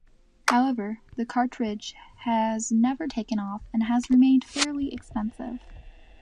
However, the cartridge has never taken off, and has remained fairly expensive.